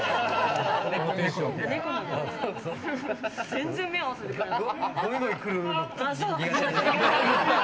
全然目を合わせてくれない。